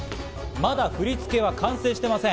まだ振り付けは完成していません。